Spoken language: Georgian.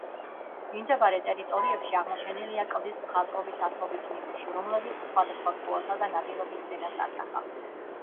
მიმდებარე ტერიტორიებში აღმოჩენილია კლდის მხატვრობის ასობით ნიმუში, რომლებიც სხვადასხვა ცხოველსა და ნადირობის სცენას ასახავს.